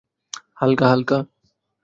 হালকা, হালকা।